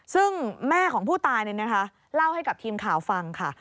ซึ่งแม่ของผู้ตายเล่าให้กับทีมข่าวฟังค่ะ